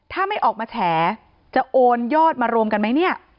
ถ้าไม่ออกมาแฉจะโอนยอดมารวมกันไหมเนี่ย